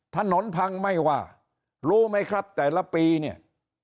ถนนพังไม่ว่ารู้ไหมครับแต่ละปีเนี่ย